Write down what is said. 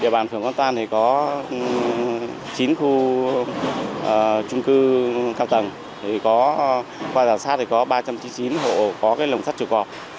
địa bàn phường quán toan có chín khu trung cư cao tầng qua giả sát có ba trăm chín mươi chín hộ có lồng sắt trộm cọp